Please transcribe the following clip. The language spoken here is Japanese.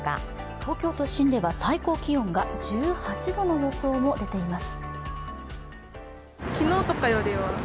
東京都心では最高気温が１８度の予想も出ています。